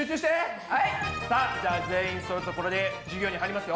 さあじゃあ全員そろったところで授業に入りますよ。